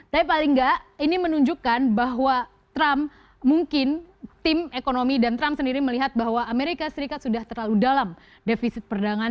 tapi paling nggak ini menunjukkan bahwa trump mungkin tim ekonomi dan trump sendiri melihat bahwa amerika serikat sudah terlalu dalam defisit perdagangan